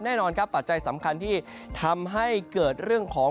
แน่นอนครับปัจจัยสำคัญที่ทำให้เกิดเรื่องของ